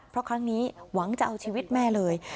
เพราะครั้งนี้หวังจะเอาชีวิตแม่เลย